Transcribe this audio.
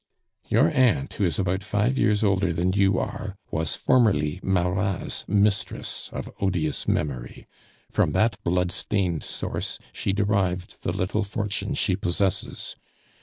"Your aunt, who is about five years older than you are, was formerly Marat's mistress of odious memory. From that blood stained source she derived the little fortune she possesses.